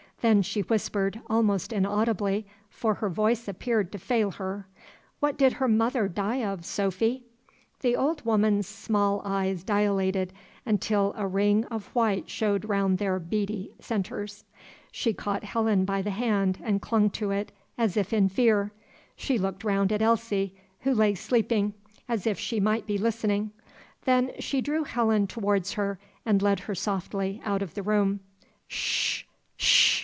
Then she whispered, almost inaudibly, for her voice appeared to fail her, "What did her mother die of, Sophy?" The old woman's small eyes dilated until a ring of white showed round their beady centres. She caught Helen by the hand and clung to it, as if in fear. She looked round at Elsie, who lay sleeping, as of she might be listening. Then she drew Helen towards her and led her softly out of the room. "'Sh! 'sh!"